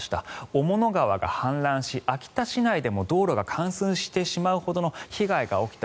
雄物川が氾濫し秋田市内でも道路が冠水してしまうほどの被害が起きた。